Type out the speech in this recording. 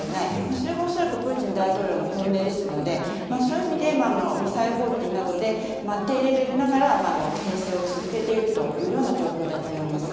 それが恐らくプーチン大統領の本音ですのでそういう意味でミサイル攻撃などで低レベルながらけん制を続けているという状況だと思います。